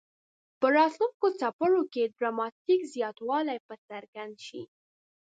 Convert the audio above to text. په راتلونکو څپرکو کې ډراماټیک زیاتوالی به څرګند شي.